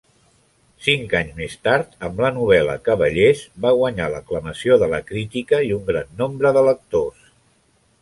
Cinc anys més tard, amb la novel·la "Cavallers", va guanyar l'aclamació de la crítica i un gran nombre de lectors.